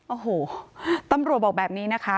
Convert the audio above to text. โอ้โหตำรวจบอกแบบนี้นะคะ